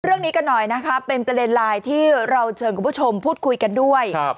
เรื่องนี้กันหน่อยนะคะเป็นประเด็นไลน์ที่เราเชิญคุณผู้ชมพูดคุยกันด้วย